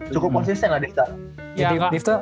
cukup posisnya gak divta